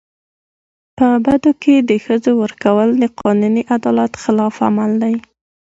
په بدو کي د ښځو ورکول د قانوني عدالت خلاف عمل دی.